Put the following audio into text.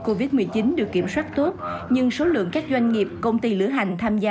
covid một mươi chín được kiểm soát tốt nhưng số lượng các doanh nghiệp công ty lửa hành tham gia